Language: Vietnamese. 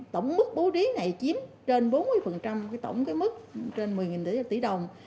tổng mức bố trí này chiếm trên bốn mươi tổng mức trên một mươi tỷ đồng